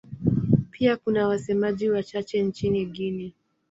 Pia kuna wasemaji wachache nchini Guinea.